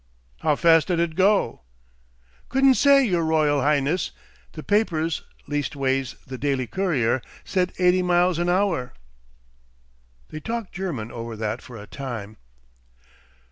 "How fast did it go?" "Couldn't say, your Royal Highness. The papers, leastways the Daily Courier, said eighty miles an hour." They talked German over that for a time.